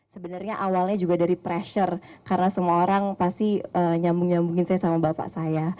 sebenarnya awalnya juga dari pressure karena semua orang pasti nyambung nyambungin saya sama bapak saya